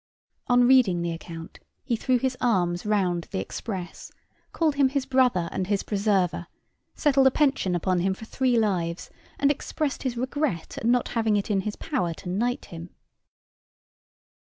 On reading the account, he threw his arms round the express, called him his brother and his preserver; settled a pension upon him for three lives, and expressed his regret at not having it in his power to knight him.